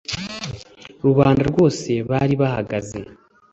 rubanda rwose bari bahagaze